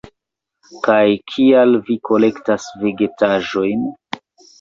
Kaj kial vi kolektas vegetaĵojn?